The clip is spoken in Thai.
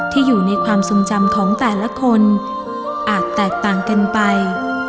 อยู่ในความทรงจำของแต่ละคนอาจแตกต่างกันไป